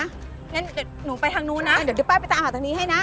อย่างงั้นเดี๋ยวหนูไปทางนู้นน่ะอย่างงั้นเดี๋ยวป้ายไปตามหาทางนี้ให้น่ะ